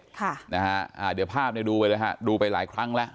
ค่ะนะฮะอ่าเดี๋ยวภาพเนี่ยดูไปเลยฮะดูไปหลายครั้งแล้ว